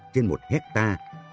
trên một hectare